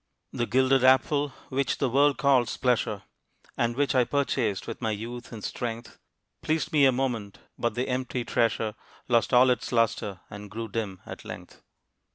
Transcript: The gilded apple which the world calls pleasure, And which I purchased with my youth and strength, Pleased me a moment. But the empty treasure Lost all its lustre, and grew dim at length.